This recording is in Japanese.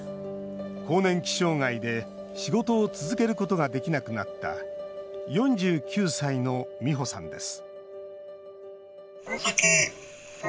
更年期障害で、仕事を続けることができなくなった４９歳のミホさんです